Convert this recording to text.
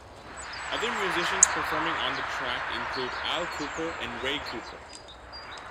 Other musicians performing on the track include Al Kooper and Ray Cooper.